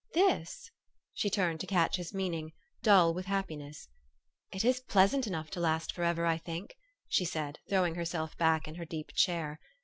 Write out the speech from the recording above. " This?" She turned to catch his meaning, dull with happiness. " It is pleasant enough to last for ever, I think," she said, throwing herself back in her deep chair.